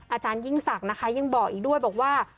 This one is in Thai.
อาจารยิ่งศักดิ์นะคะยังบอกอีกด้วยบอกว่า